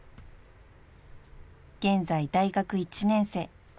［現在大学１年生］